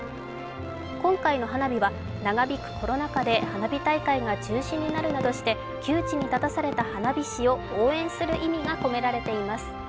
今回の花火は長引くコロナ禍で花火大会が中止になるなどして窮地に立たされた花火師を応援する意味が込められています。